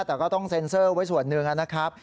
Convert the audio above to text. แต่ก็ต้องเซ็นเซอร์ไว้ส่วนหนึ่งนะครับ